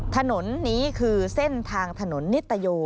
ถนนนี้คือเส้นทางถนนนิตโย